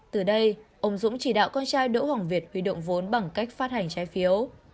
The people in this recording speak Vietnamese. từ đây ông dũng chỉ đạo con trai đỗ hồng việt huy động vốn bằng cách phát hành trái phiếu